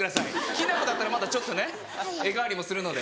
きな粉だったらまだちょっとね画変わりもするので。